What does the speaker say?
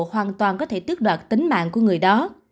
hoàn toàn có thể tước đoạt tính mạng của người đó